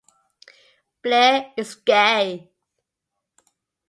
Blair is gay.